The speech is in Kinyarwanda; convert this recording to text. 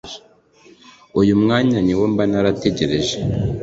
uyu mwanya niwo mba narategereje